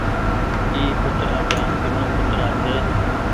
اي ڪترآ جآم ڪينو ڪترآ ڇي۔